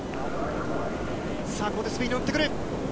ここでスピンに乗ってくる。